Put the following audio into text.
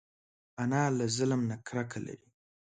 انا له ظلم نه کرکه لري